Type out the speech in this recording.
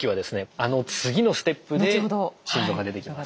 あの次のステップで心臓が出てきます。